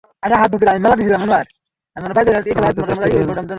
আমার কাছে আসতে দিবে না।